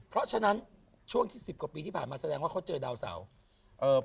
เพราะฉะนั้นช่วงที่สิบกว่าปีที่ผ่านมาแสดงว่าเขาเจอดาวเสาร์เอ่อ